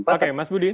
oke mas budi